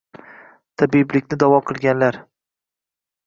Tabiblikni da’vo kilganlar.